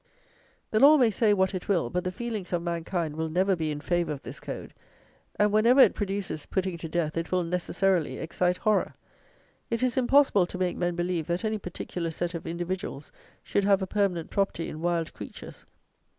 The Law may say what it will, but the feelings of mankind will never be in favour of this Code; and whenever it produces putting to death, it will, necessarily, excite horror. It is impossible to make men believe that any particular set of individuals should have a permanent property in wild creatures.